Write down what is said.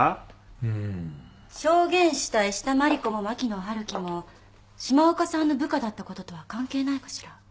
うん。証言した石田真理子も牧野春樹も島岡さんの部下だった事とは関係ないかしら？